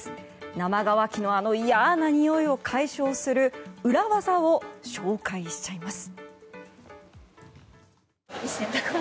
生乾きのあの嫌なにおいを解消する裏技を紹介しちゃいます。